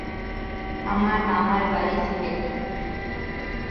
আমার মামার বাড়ি সিলেটে।